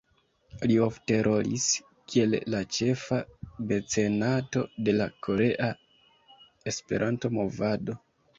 Li ofte rolis kiel la ĉefa mecenato de la korea E-movado.